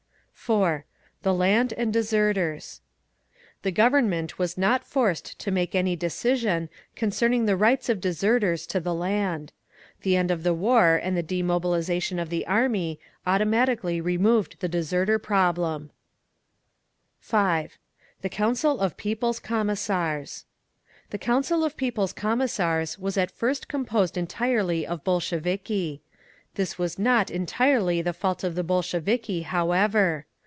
4. THE LAND AND DESERTERS The Government was not forced to make any decision concerning the rights of deserters to the land. The end of the war and the demobilisation of the army automatically removed the deserter problem…. 5. THE COUNCIL OF PEOPLE'S COMMISSARS The Council of People's Commissars was at first composed entirely of Bolsheviki. This was not entirely the fault of the Bolsheviki, however.